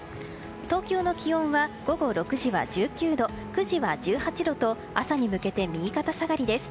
東京の気温は午後６時は１９度９時は１８度と朝に向けて右肩下がりです。